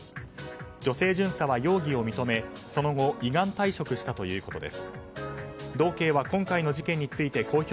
女性巡査は容疑を認めその後依願退職したということです。